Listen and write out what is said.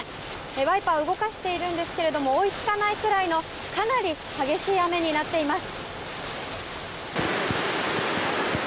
ワイパーを動かしているんですが追いつかないくらいのかなり激しい雨になっています。